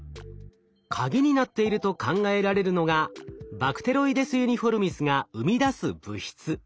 カギになっていると考えられるのがバクテロイデス・ユニフォルミスが生み出す物質。